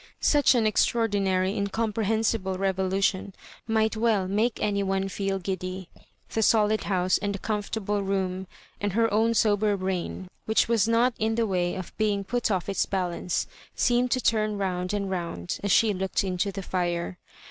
Such an eztraonlinary incomprehensible revolu tion might well make any one feel giddy: The solid house and the comfortable room, and her own sober brain, whieii was not in t^e way of being put off its balance, seemed to turn round and round as she loclked into the fire.